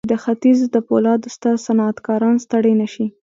چې د ختيځ د پولادو ستر صنعتکاران ستړي نه شي.